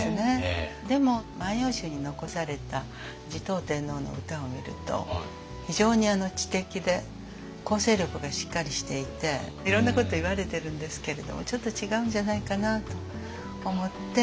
でも「万葉集」に残された持統天皇の歌を見ると非常に知的で構成力がしっかりしていていろんなこと言われてるんですけれどもちょっと違うんじゃないかなと思って。